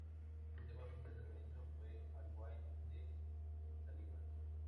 El tema oficial del evento fue ""Always"" de Saliva.